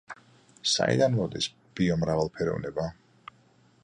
საიდან მოდის ბიომრავალფეროვნება?